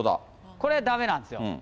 これ、だめなんですよ。